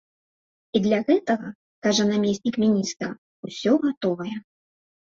І для гэтага, кажа намеснік міністра, усё гатовае.